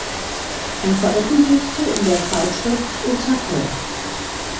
Er veröffentlichte in der Zeitschrift Etappe.